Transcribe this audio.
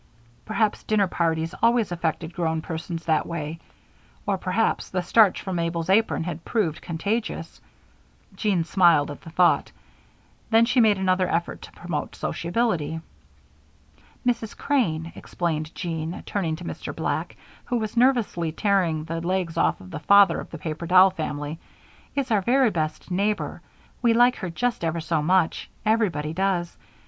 Perhaps dinner parties always affected grown persons that way, or perhaps the starch from Mabel's apron had proved contagious; Jean smiled at the thought. Then she made another effort to promote sociability. "Mrs. Crane," explained Jean, turning to Mr. Black, who was nervously tearing the legs off of the father of the paper doll family, "is our very nicest neighbor. We like her just ever so much everybody does.